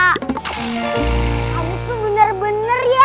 kamu tuh bener bener ya